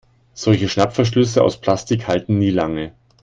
Solche Schnappverschlüsse aus Plastik halten nie lange.